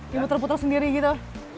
di putar putar sendiri gitu